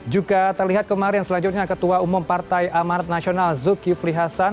juga terlihat kemarin selanjutnya ketua umum partai amanat nasional zulkifli hasan